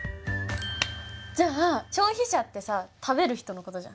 じゃあ消費者ってさ食べる人のことじゃん。